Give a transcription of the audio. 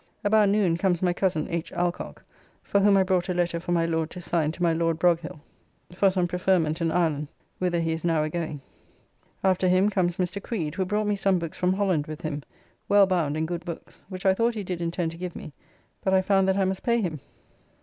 About noon comes my cozen H. Alcock, for whom I brought a letter for my Lord to sign to my Lord Broghill for some preferment in Ireland, whither he is now a going. After him comes Mr. Creed, who brought me some books from Holland with him, well bound and good books, which I thought he did intend to give me, but I found that I must pay him.